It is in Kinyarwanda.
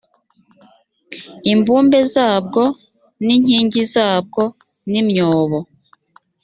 imbumbe zabwo n inkingi zabwo n imyobo